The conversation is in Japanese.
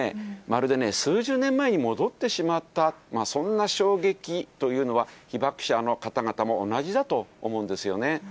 まるでね、数十年前に戻ってしまった、そんな衝撃というのは、被爆者の方々も同じだと思うんですよね。